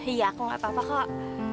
iya aku gak tau apa kok